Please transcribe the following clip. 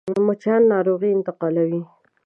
مچان ناروغي انتقالوي